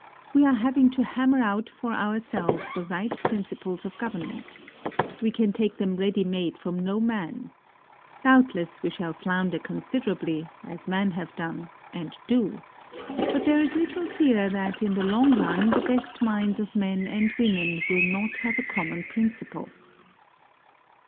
We are having to hammer out for ourselves the right principles of government. We can take them ready made from no man. Doubtless we shall flounder considerably, as men have done—and do. But there is little fear that in the long run the best minds of men and women will not have a common principle.